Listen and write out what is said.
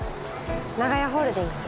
長屋ホールディングス。